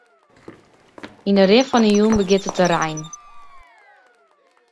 Yn 'e rin fan 'e jûn begjint it te reinen.